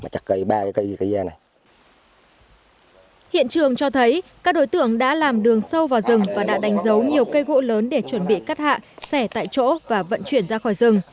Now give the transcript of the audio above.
các đối tượng đã làm đường sâu vào rừng và đã đánh dấu nhiều cây gỗ lớn để chuẩn bị cắt hạ xẻ tại chỗ và vận chuyển ra khỏi rừng